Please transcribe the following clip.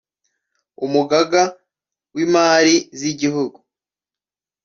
Umugaga w'imali z'igihugu